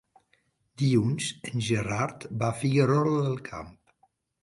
Dilluns en Gerard va a Figuerola del Camp.